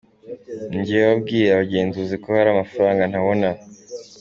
Ni njye wabwiye abagenzuzi ko hari amafaranga ntabona.